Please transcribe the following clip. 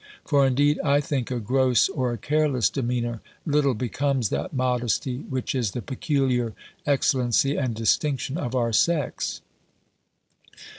For, indeed, I think a gross or a careless demeanour little becomes that modesty which is the peculiar excellency and distinction of our sex."